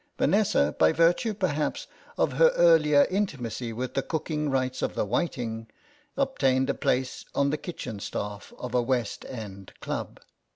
Vanessa, by virtue perhaps of her earlier intimacy with the cooking rites of the whiting, obtained a place on the kitchen staff of a West End club.